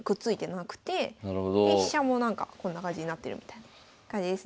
で飛車もこんな感じになってるみたいな感じですね。